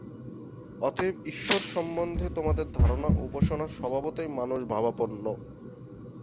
অতএব ঈশ্বর সম্বন্ধে আমাদের ধারণা ও উপাসনা স্বভাবতই মানুষ-ভাবাপন্ন।